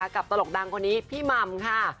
กับตลกดั้งคนนี้พี่มัมค่ะ